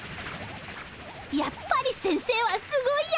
やっぱり先生はすごいや。